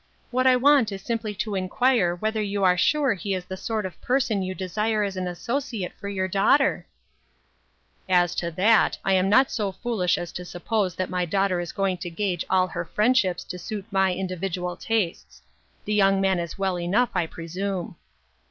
What I want is simply to inquire whether you are sure he is the sort of person you desire as an associate for your daughter ?"" As to that, I am not so foolish as to suppose that my daughter is going to gauge all her friend ships to suit my individual tastes. The young man is well enough, I presume."